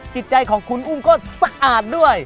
จิตใจของคุณอุ้มก็สะอาดด้วย